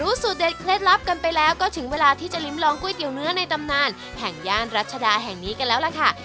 สูตรเด็ดเคล็ดลับกันไปแล้วก็ถึงเวลาที่จะลิ้มลองก๋วยเตี๋ยเนื้อในตำนานแห่งย่านรัชดาแห่งนี้กันแล้วล่ะค่ะ